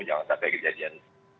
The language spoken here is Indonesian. jangan sampai kejadian dua ribu sepuluh